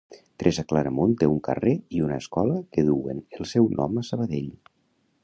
Teresa Claramunt té un carrer i una escola que duen el seu nom a Sabadell.